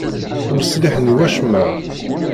Ur ṣliḥen i wacemma.